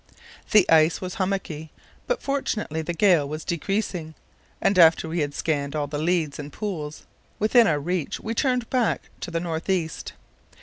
The ice was hummocky, but, fortunately, the gale was decreasing, and after we had scanned all the leads and pools within our reach we turned back to the north east.